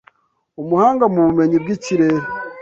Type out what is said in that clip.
Umuhanga mu bumenyi bw'ikirere